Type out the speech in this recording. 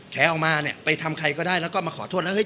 แผลออกมาเนี่ยไปทำใครก็ได้แล้วก็มาขอโทษแล้วเฮ